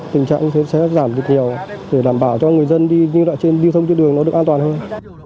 tình trạng sẽ giảm được nhiều để đảm bảo cho người dân đi như là trên điêu thông trên đường nó được an toàn hơn